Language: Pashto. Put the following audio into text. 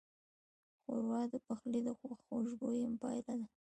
ښوروا د پخلي د خوشبویۍ پایله ده.